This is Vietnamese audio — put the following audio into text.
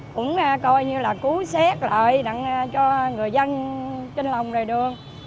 cũng coi như là cứu xét lại cho người dân trên lòng lề đường